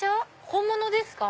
本物ですか？